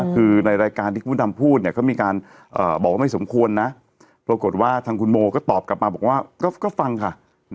คือในรายการที่คุณดำพูดเนี่ยก็มีการบอกว่าไม่สมควรนะปรากฏว่าทางคุณโมก็ตอบกลับมาบอกว่าก็ฟังค่ะ